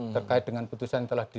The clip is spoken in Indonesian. terkait dengan putusan yang telah di